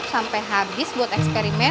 sampai habis buat eksperimen